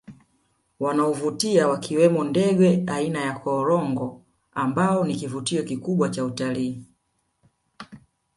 Wanaovutia wakiwemo ndege aina ya Korongo ambao ni kivutio kikubwa cha utalii